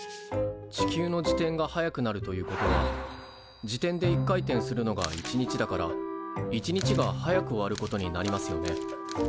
地球の自転が速くなるということは自転で一回転するのが１日だから１日が早く終わることになりますよね。